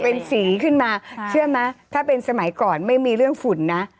เป็นสีขึ้นมาเชื่อไหมถ้าเป็นสมัยก่อนไม่มีเรื่องฝุ่นนะ